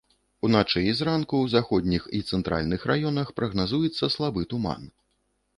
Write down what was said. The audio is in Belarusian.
Уначы і зранку ў заходніх і цэнтральных раёнах прагназуецца слабы туман.